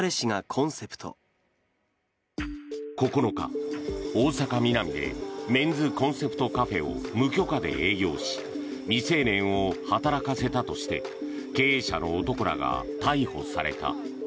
９日、大阪・ミナミでメンズコンセプトカフェを無許可で営業し未成年を働かせたとして経営者の男らが逮捕された。